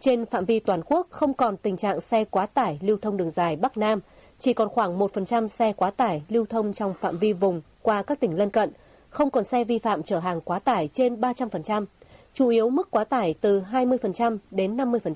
trên phạm vi toàn quốc không còn tình trạng xe quá tải lưu thông đường dài bắc nam chỉ còn khoảng một xe quá tải lưu thông trong phạm vi vùng qua các tỉnh lân cận không còn xe vi phạm trở hàng quá tải trên ba trăm linh chủ yếu mức quá tải từ hai mươi đến năm mươi